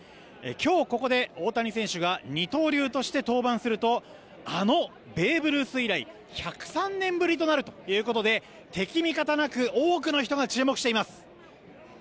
今日、ここで大谷選手が二刀流として登板するとあのベーブ・ルース以来１０３年ぶりとなるということで敵味方なく多くの人が注目しています。